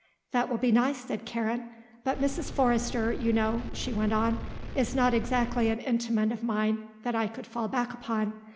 "That will be nice," said Karen. "But Mrs. Forrester, you know," she went on, "is not exactly an intimate of mine that I could fall back upon.